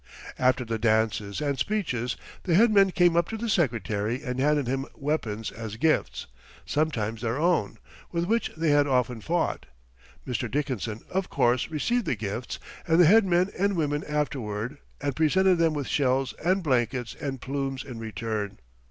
After the dances and speeches the head men came up to the Secretary and handed him weapons as gifts, sometimes their own, with which they had often fought. Mr. Dickinson, of course, received the chiefs and the head men and women afterward, and presented them with shells and blankets and plumes in return.